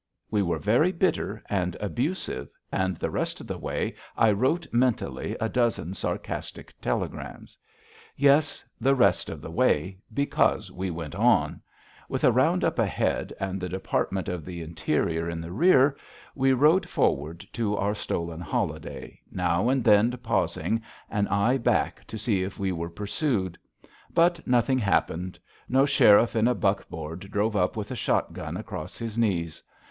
We were very bitter and abusive, and the rest of the way I wrote mentally a dozen sarcastic telegrams. Yes; the rest of the way. Because we went on. With a round up ahead and the Department of the Interior in the rear, we rode forward to our stolen holiday, now and then pausing, an eye back to see if we were pursued. But nothing happened; no sheriff in a buckboard drove up with a shotgun across his knees.